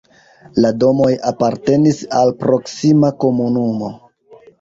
La domoj apartenis al proksima komunumo.